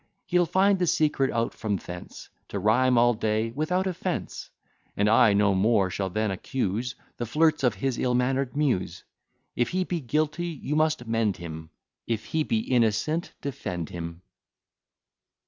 He'll find the secret out from thence, To rhyme all day without offence; And I no more shall then accuse The flirts of his ill manner'd Muse. If he be guilty, you must mend him; If he be innocent, defend him.